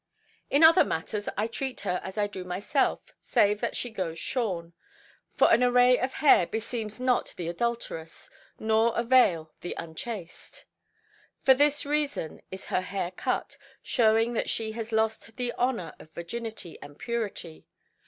"In other matters I treat her as I do myself, save that she goes shorn; for an array of hair beseems not the adulterous, nor a veil the unchaste. "For this reason is her hair cut, showing that she has lost the honour of virginity and purity.